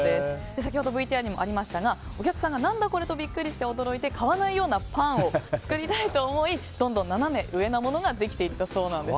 先ほどＶＴＲにもありましたがお客さんが何だこれとビックリして驚いて買わないようなパンを作りたいと思いどんどんナナメ上なものができていったそうなんです。